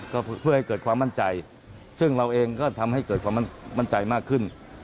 ก็เพื่อให้เกิดความมั่นใจซึ่งเราเองก็ทำให้เกิดความมั่นใจมากขึ้น